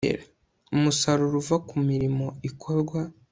umusaruro uva ku mirimo ikorwa